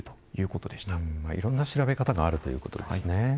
いろんな調べ方があるということですね。